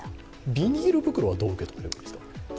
ビニール袋はどう受け止めればいいんですか